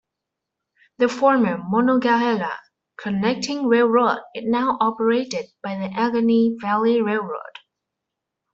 The former Monongahela Connecting Railroad is now operated by the Allegheny Valley Railroad.